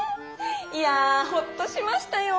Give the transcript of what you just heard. いやホッとしましたよォ。